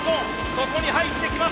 そこに入ってきます。